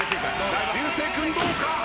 流星君どうか？